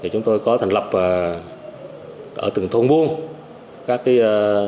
chúng tôi có thành lập ở từng thôn buôn các